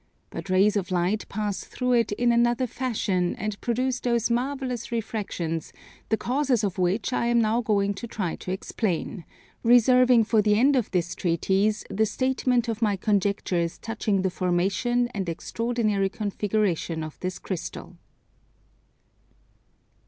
But rays of light pass through it in another fashion and produce those marvellous refractions the causes of which I am now going to try to explain; reserving for the end of this Treatise the statement of my conjectures touching the formation and extraordinary configuration of this Crystal.